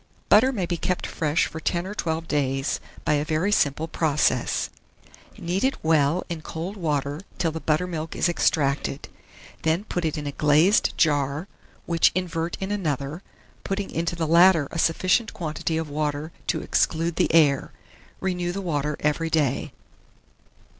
BUTTER may be kept fresh for ten or twelve days by a very simple process. Knead it well in cold water till the buttermilk is extracted; then put it in a glazed jar, which invert in another, putting into the latter a sufficient quantity of water to exclude the air. Renew the water every day.